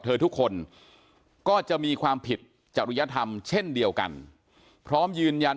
เธอทุกคนก็จะมีความผิดจริยธรรมเช่นเดียวกันพร้อมยืนยัน